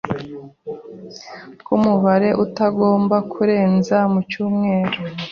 nk’umubare utagomba kurenza mu cyumweru,